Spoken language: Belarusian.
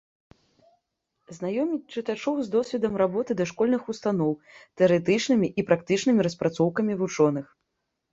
Знаёміць чытачоў з досведам работы дашкольных устаноў, тэарэтычнымі і практычнымі распрацоўкамі вучоных.